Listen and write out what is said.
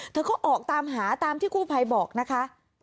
เธอก็ออกตามหาตามที่กู้ภัยบอกนะคะ